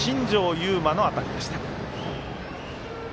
雄麻の当たりでした。